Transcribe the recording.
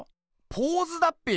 ポーズだっぺよ！